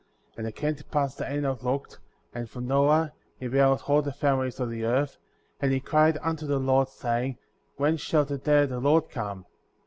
* 45. And it came to pass that Enoch looked; and from Noah, he beheld all the families of the earth ; and he cried unto the Lord, saying : When shall the day of the Lord come?